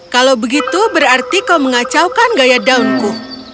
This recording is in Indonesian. kalau begitu berarti kau mengacaukan gaya daunku